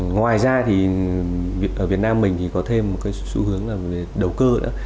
ngoài ra thì ở việt nam mình có thêm một cái xu hướng là đầu cơ nữa